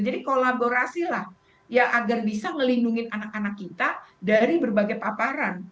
jadi kolaborasilah ya agar bisa melindungi anak anak kita dari berbagai paparan